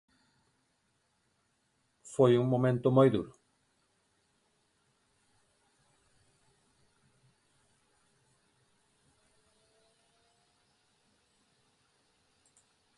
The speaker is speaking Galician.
Foi un momento moi duro?